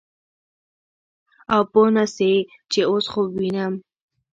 او پوه نه سې چې اوس خوب وينم.